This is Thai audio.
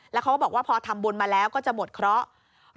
แล้วเขาก็บอกว่าพอทำบุญมาแล้วก็จะหมดเคราะห์